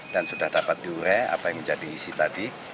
sudah dapat diure apa yang menjadi isi tadi